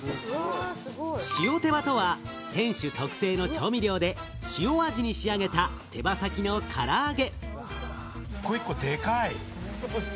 しおてばとは、店主特製の調味料で塩味に仕上げた手羽先のから揚げ。